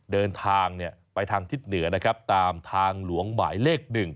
เดินทางไปทางทิศเหนือตามทางหลวงหมายเลขหนึ่ง